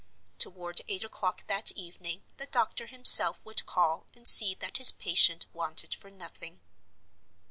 Toward eight o'clock that evening the doctor himself would call and see that his patient wanted for nothing.